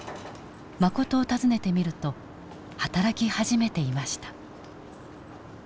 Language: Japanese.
マコトを訪ねてみると働き始めていました。